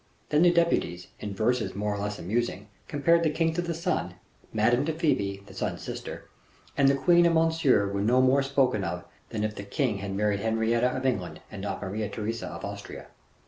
Then the deputies, in verses more or less amusing, compared the king to the sun, Madame to Phoebe, the sun's sister, and the queen and Monsieur were no more spoken of than if the king had married Henrietta of England, and not Maria Theresa of Austria.